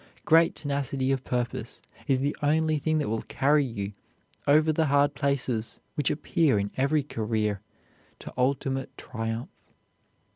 Great tenacity of purpose is the only thing that will carry you over the hard places which appear in every career to ultimate triumph.